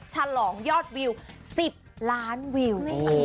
ฉลองยอดวิว๑๐ล้านวิว